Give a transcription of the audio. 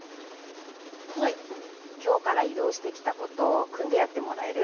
はい今日から異動してきた子と組んでやってもらえる？